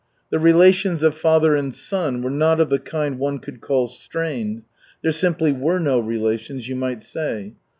The relations of father and son were not of the kind one could call strained. There simply were no relations, you might say.